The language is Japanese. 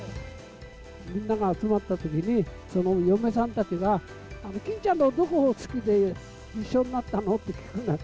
みんなが集まったときに、その嫁さんたちが、欽ちゃんのどこを好きで一緒になったのって聞くのよ。